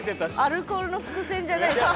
アルコールの伏線じゃないですよ。